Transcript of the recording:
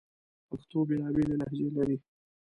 پښتو بیلابیلي لهجې لري